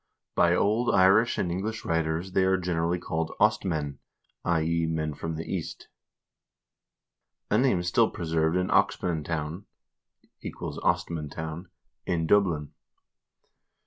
By old Irish and English writers they are generally called Ostmen (i.e. men from the East), a name still pre served in Oxmantown (= Ostmantown) in Dublin.